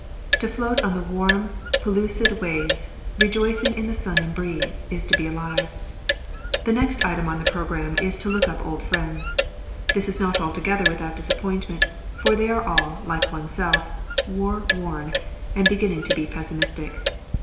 To float on the warm, pellucid waves, rejoicing in the sun and breeze, is to be alive. The next item on the programme is to look up old friends. This is not altogether without disappointment, for they are all, like oneself, "war worn" and beginning to be pessimistic.